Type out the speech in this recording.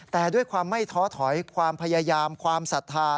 แต่ด้วยความไม่ท้อถอยความพยายามความศรัทธา